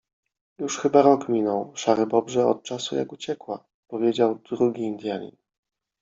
-Już chyba rok minął, Szary Bobrze, od czasu jak uciekła - powiedział drugi Indianin.